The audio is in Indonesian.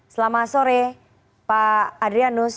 selamat sore pak adrianus